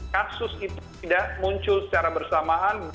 kasus itu tidak muncul secara bersamaan